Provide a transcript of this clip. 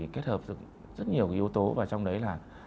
kết hợp được rất nhiều yếu tố và trong đấy là